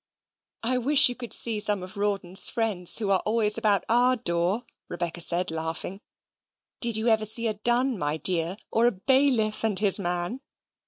"I wish you could see some of Rawdon's friends who are always about our door," Rebecca said, laughing. "Did you ever see a dun, my dear; or a bailiff and his man?